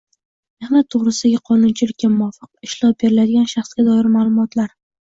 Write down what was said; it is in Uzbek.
mehnat to‘g‘risidagi qonunchilikka muvofiq ishlov beriladigan shaxsga doir ma’lumotlar